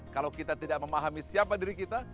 kalau kita tidak memahami siapa diri kita